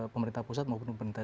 pemerintah pusat maupun pemerintah